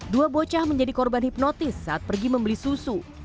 dua bocah menjadi korban hipnotis saat pergi membeli susu